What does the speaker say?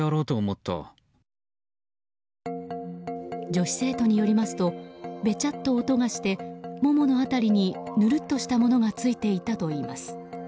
女子生徒によりますとべちゃっと音がしてももの辺りにぬるっとしたものがついていたといいます。